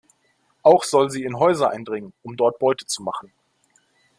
Auch soll sie in Häuser eindringen, um dort Beute zu machen.